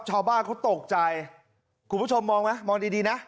ชาวบ้านเขาตกใจคุณผู้ชมมองไหมมองดีดีนะ